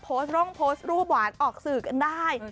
พร่องโพสต์รูปหวานออกสื่อกันได้